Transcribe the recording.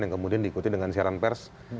yang kemudian diikuti dengan siaran pers